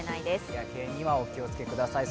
日焼けにはお気をつけください。